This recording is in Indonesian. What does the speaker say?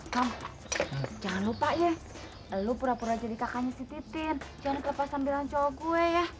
jangan lupa ya lo pura pura jadi kakaknya si titin jangan kelepas sambilan cowok gue ya